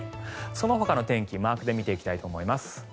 そのほかの天気をマークで見ていきたいと思います。